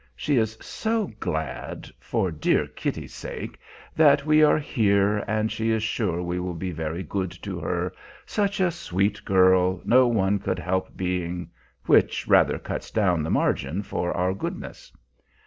She is so glad for dear Kitty's sake that we are here, and she is sure we will be very good to her such a sweet girl, no one could help being which rather cuts down the margin for our goodness.